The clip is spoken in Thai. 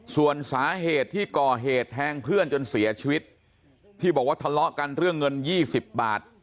ส่วนสาเหตุที่ก่อเหตุแทงเพื่อนจนเสียชีวิตที่บอกว่าทะเลาะกันเรื่องเงิน๒๐บาท